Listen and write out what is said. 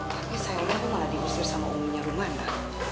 tapi sayangnya aku malah diusir sama umumnya rumana